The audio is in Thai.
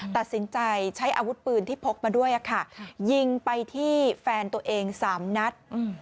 ตัดสินใจใช้อาวุธปืนที่พกมาด้วยยิงไปที่แฟนตัวเอง๓นัด